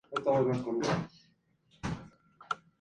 En su lugar pasó a editarse el diario falangista "Amanecer".